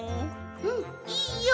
うんいいよ。